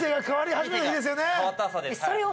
変わった朝です。